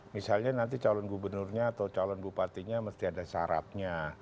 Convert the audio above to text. misalnya nanti calon gubernurnya atau calon bupatinya mesti ada syaratnya